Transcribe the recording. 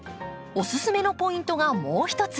おすすめのポイントがもう一つ。